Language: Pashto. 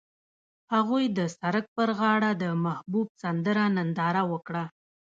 هغوی د سړک پر غاړه د محبوب سمندر ننداره وکړه.